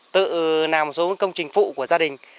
tự làm một số công trình phụ của gia đình